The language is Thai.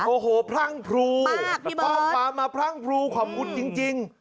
โอ้โหพรั่งพรูข้อความมาพรั่งพรูขอบคุณจริง